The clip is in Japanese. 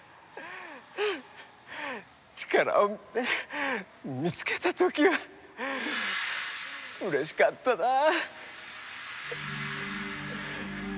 力を見つけた時は嬉しかったなあ。